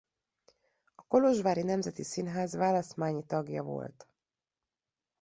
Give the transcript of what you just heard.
A kolozsvári Nemzeti Színház választmányi tagja volt.